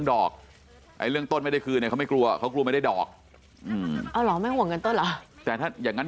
แต่ถ้าอย่างงั้น